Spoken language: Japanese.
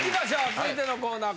続いてのコーナー